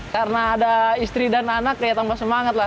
karena ada istri dan anak ya tambah semangat lah